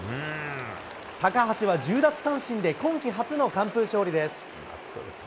高橋は１０奪三振で今季初の完封勝利です。